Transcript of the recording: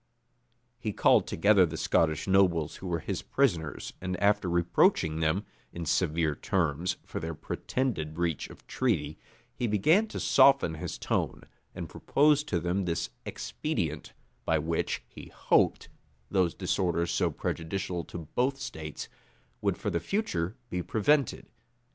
He called together the Scottish nobles who were his prisoners and after reproaching them, in severe terms, for their pretended breach of treaty, he began to soften his tone, and proposed to them this expedient, by which, he hoped, those disorders so prejudicial to both states, would for the future be prevented.